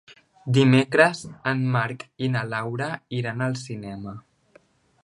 Dimecres en Marc i na Laura iran al cinema.